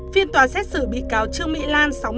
phiên tòa xét xử bị cáo trương mỹ lan